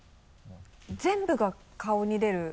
全部が顔に出る。